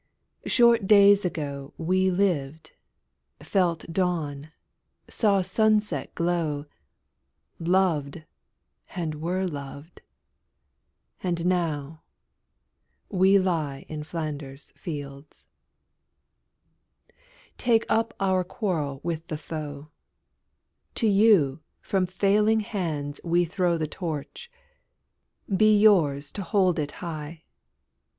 Short days ago We lived, felt dawn, saw sunset glow, Loved, and were loved, and now we lie In Flanders fields. Take up our quarrel with the foe: To you from failing hands we throw The Torch: be yours to hold it high!